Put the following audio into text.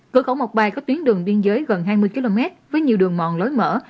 cửa khẩu mộc bài có tuyến đường biên giới gần hai mươi km với nhiều đường mòn lối mở